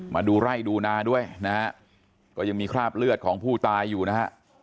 มาดูไร่ดูนาด้วยนะฮะก็ยังมีคราบเลือดของผู้ตายอยู่นะฮะ